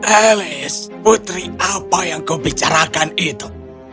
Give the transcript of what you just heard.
elis putri apa yang kau bicarakan itu